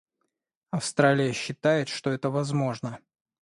Австралия считает, что это возможно.